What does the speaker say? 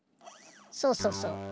そうそうそう。